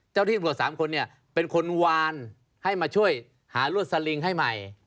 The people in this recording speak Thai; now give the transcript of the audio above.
เจ้าที่ตำรวจ๓คนเนี่ยเป็นคนวานให้มาช่วยหารวดสลิงให้ใหม่